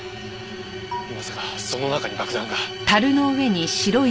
まさかその中に爆弾が？